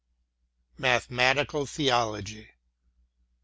MATHEMATICAL THEOLOGY.